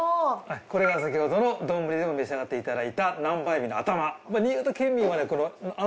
これが先ほどの丼でも召し上がっていただいた南蛮エビの頭。